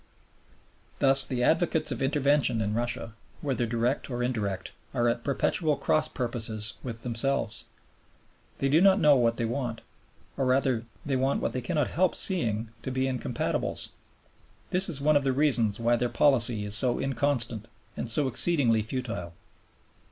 Thus the advocates of intervention in Russia, whether direct or indirect, are at perpetual cross purposes with themselves. They do not know what they want; or, rather, they want what they cannot help seeing to be incompatibles. This is one of the reasons why their policy is so inconstant and so exceedingly futile.